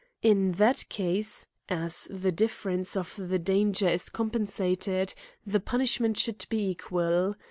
In that case, as the difference of the danger is compen. sated, the punishment should be equal.